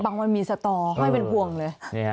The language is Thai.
บางวันมีสตอไห้เป็นห่วงเลย